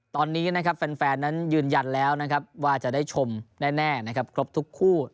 ตอนนี้นะครับแฟนนั้นยืนยันแล้วนะครับว่าจะได้ชมแน่นะครับครบทุกคู่